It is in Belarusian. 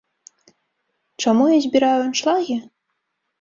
Чаму я збіраю аншлагі?